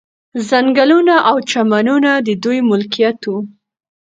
ځنګلونه او چمنونه د دوی ملکیت وو.